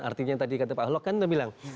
artinya tadi kata pak ahlok kan bilang